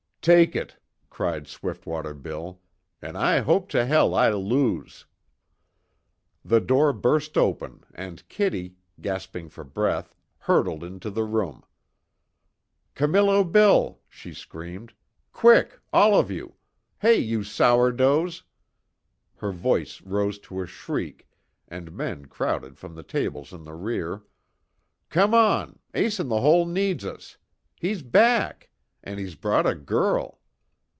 "Take it!" cried Swiftwater Bill, "An' I hope to hell I lose!" The door burst open and Kitty, gasping for breath hurtled into the room: "Camillo Bill!" she screamed. "Quick! All of you! Hey you sourdoughs!" her voice rose to a shriek, and men crowded from the tables in the rear, "Come on! Ace In The Hole needs us! He's back! An' he's brought a girl!